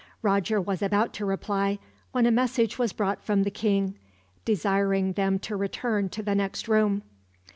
Roger was about to reply, when a message was brought from the king, desiring them to return to the next room.